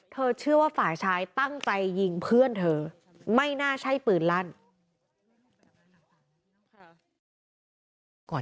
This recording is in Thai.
เชื่อว่าฝ่ายชายตั้งใจยิงเพื่อนเธอไม่น่าใช่ปืนลั่น